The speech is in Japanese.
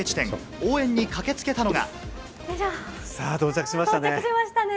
応援に駆けつけたのが。